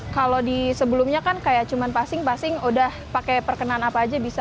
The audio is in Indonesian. kalau di sebelumnya kan kayak cuma passing passing udah pakai perkenaan apa aja bisa